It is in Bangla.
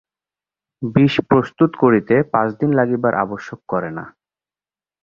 বিষ প্রস্তুত করিতে পাঁচ দিন লাগিবার আবশ্যক করে না।